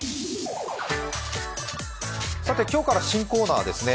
今日から新コーナーですね